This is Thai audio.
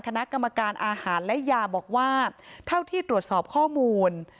คณะกรรมการอาหารและยาบอกว่าเท่าที่ตรวจสอบข้อมูล